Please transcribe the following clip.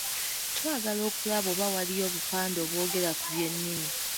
Twagala okulaba oba waliyo obupande obwogera ku by’ennimi.